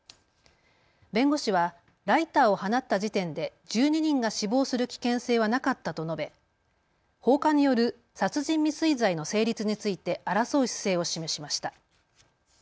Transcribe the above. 弁護士はライターを放った時点で１２人が死亡する危険性はなかったと述べ放火による殺人未遂罪の成立について争う姿勢を示しました。